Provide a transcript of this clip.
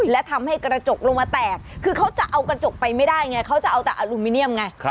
และทำให้กระจกลงมาแตกคือเขาจะเอากระจกไปไม่ได้ไงเขาจะเอาแต่อลูมิเนียมไง